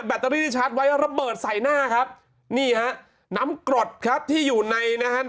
ตเตอรี่ที่ชาร์จไว้ระเบิดใส่หน้าครับนี่ฮะน้ำกรดครับที่อยู่ในนะฮะ